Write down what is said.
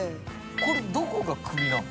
これどこが首なの？